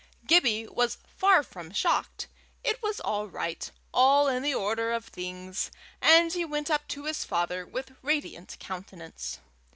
Gibbie was far from shocked; it was all right, all in the order of things, and he went up to his father with radiant countenance.